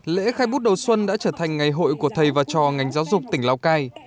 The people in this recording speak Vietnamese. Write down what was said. lễ khai bút đầu xuân đã trở thành ngày hội của thầy và trò ngành giáo dục tỉnh lào cai